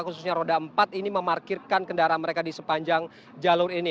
khususnya roda empat ini memarkirkan kendaraan mereka di sepanjang jalur ini